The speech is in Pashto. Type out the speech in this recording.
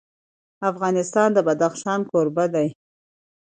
افغانستان د بدخشان کوربه دی.